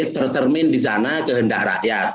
tercermin di sana kehendak rakyat